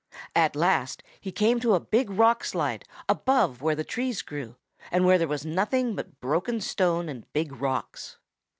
At last he came to a big rock slide above where the trees grew, and where there was nothing but broken stone and big rocks.